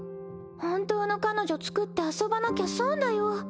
本当の彼女つくって遊ばなきゃ損だよ。